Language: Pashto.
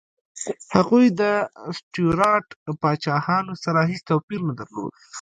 هغوی د سټیوراټ پاچاهانو سره هېڅ توپیر نه درلود.